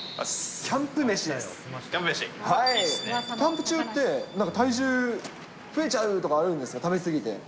キャンプ中って、なんか体重、増えちゃうとかあるんですか、食べ過ぎて。